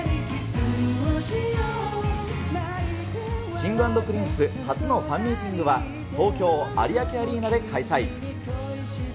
Ｋｉｎｇ＆Ｐｒｉｎｃｅ初のファンミーティングは、東京・有明アリーナで開催。